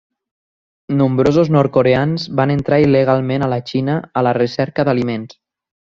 Nombrosos nord-coreans van entrar il·legalment a la Xina a la recerca d'aliments.